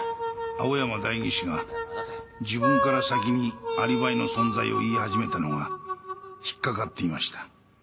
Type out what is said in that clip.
青山代議士が自分から先にアリバイの存在を言い始めたのが引っかかっていました。